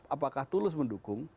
apakah tulus mendukung